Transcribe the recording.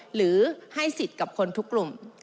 หรือให้สิทธิ์กับคนทุกกลุ่ม